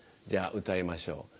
じゃ歌いましょう。